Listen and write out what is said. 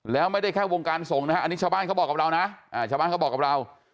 แล้วไม่ได้แค่วงการส่งนะครับอันนี้ชาวบ้านเค้าบอกกับเรา